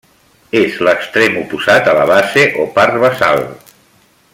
És l'extrem oposat a la base o part basal.